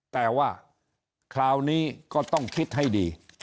แต่ว่าคราวนี้ก็ต้องคิดให้ดี